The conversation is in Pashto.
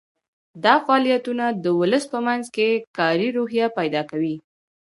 دا فعالیتونه د ولس په منځ کې کاري روحیه پیدا کوي.